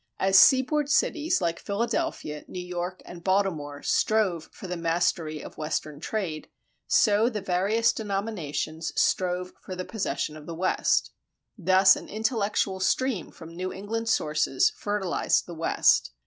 As seaboard cities like Philadelphia, New York, and Baltimore strove for the mastery of Western trade, so the various denominations strove for the possession of the West. Thus an intellectual stream from New England sources fertilized the West.